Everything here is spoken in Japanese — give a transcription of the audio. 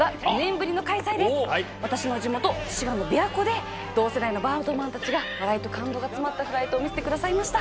私の地元滋賀の琵琶湖で同世代のバードマンたちが笑いと感動が詰まったフライトを見せてくださいました。